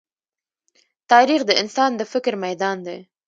تاریخ د انسان د فکر ميدان دی.